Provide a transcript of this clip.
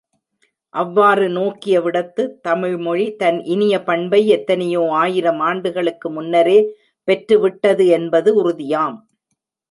அவ்வாறு நோக்கியவிடத்துத் தமிழ்மொழி, தன் இனிய பண்பை எத்தனையோ ஆயிரம் ஆண்டுகளுக்கு முன்னரே பெற்றுவிட்டது என்பது உறுதியாம்.